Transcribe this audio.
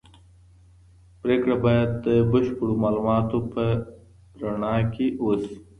پرېکړه باید د بشپړو معلوماتو په رڼا کي وسي.